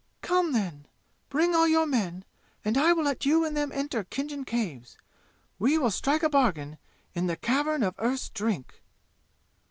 "Come, then. Bring all your men, and I will let you and them enter Khinjan Caves. We will strike a bargain in the Cavern of Earth's Drink."